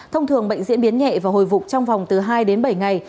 thông thường bệnh diễn biến nhẹ và hồi phục trong vòng từ hai đến bảy ngày